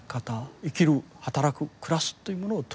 生きる働く暮らすというものを統合できる。